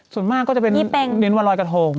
ส่วนมากก็จะเป็นรอยกระโทง